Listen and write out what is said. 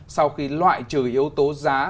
sau khi loại trừ yếu tố giá